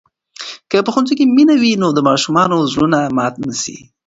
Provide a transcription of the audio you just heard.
که په ښوونځي کې مینه وي، نو د ماشومانو زړونه مات نه سي.